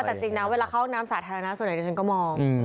เอาจริงนะเวลาเข้านามสาธารณส่วนใดสดีจนก็มอง